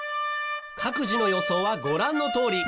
各自の予想はご覧のとおり。